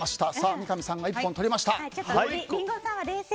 三上さんが１本取りました。